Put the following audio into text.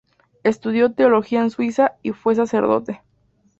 Estudió teología en Suiza y fue sacerdote.